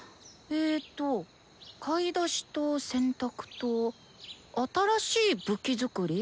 えと「買い出し」と「洗濯」と「新しい武器作り」。